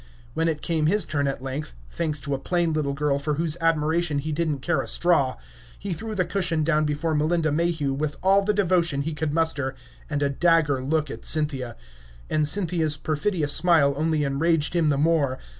When it came his turn at length, thanks to a plain little girl for whose admiration he did n't care a straw, he threw the cushion down before Melinda Mayhew with all the devotion he could muster, and a dagger look at Cynthia. And Cynthia's perfidious smile only enraged him the more.